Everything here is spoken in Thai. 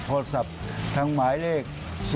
โทรศัพท์ทางหมายเลข๐๒๕๙๙๑๓๙๘